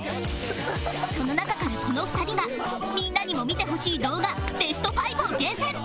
その中からこの２人がみんなにも見てほしい動画ベスト５を厳選